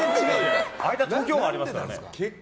間に東京湾ありますからね。